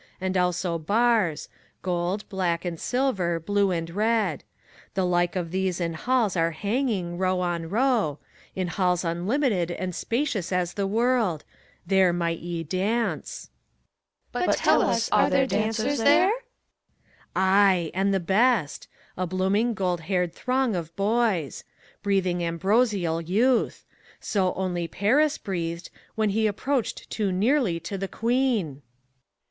And also bars — gold, black and silver, blue and red. The like of these in halls are hanging, row on row, — In halls unlimited and spacious as the world : There might ye dance ! CHORUS. But tell us, are there dancers there t PHORKYAS. Ay, and the best !— a blooming, gold haired throng of boys. Breathing ambrosial youth I So only Paris breathed. When he approached too nearly to the Queen. HELENA.